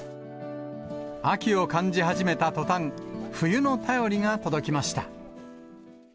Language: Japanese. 秋を感じ始めたとたん、冬の便りが届きました。